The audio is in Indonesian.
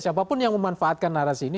siapa pun yang memanfaatkan narasi ini